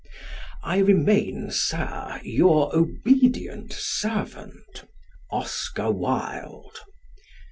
I remain, Sir, your obedient servant, OSCAR WILDE.